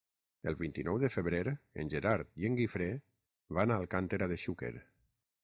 El vint-i-nou de febrer en Gerard i en Guifré van a Alcàntera de Xúquer.